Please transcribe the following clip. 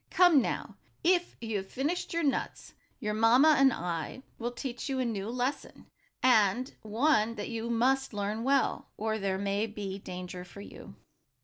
Come now, if you have finished your nuts, your mamma and I will teach you a new lesson, and one that you must learn well, or there may be danger for you."